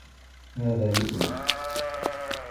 هذا يؤلم.